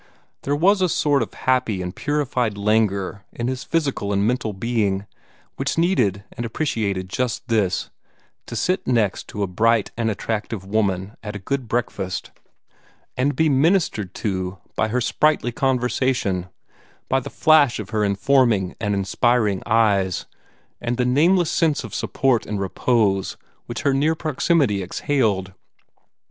There was a sort of happy and purified languor in his physical and mental being, which needed and appreciated just this to sit next a bright and attractive woman at a good breakfast, and be ministered to by her sprightly conversation, by the flash of her informing and inspiring eyes, and the nameless sense of support and repose which her near proximity exhaled.